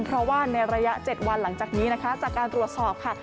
เพราะว่าในระยะ๗วันหลังจากนี้นะคะจากการตรวจสอบค่ะ